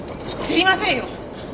知りませんよ！